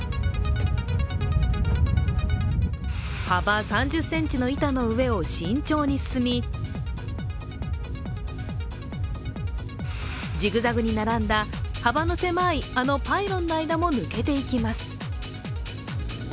幅３０ｃｍの板の上を身長に進みジグザグに並んだ、幅の狭いあのパイロンの間も抜けていきます。